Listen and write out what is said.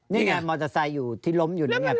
นี่ไงมอเตอร์ไซด์ที่ล้มอยู่ไหน